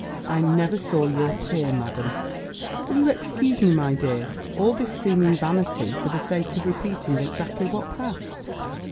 I never saw your peer, Madam." Will you excuse me, my dear, all this seeming vanity, for the sake of repeating exactly what passed?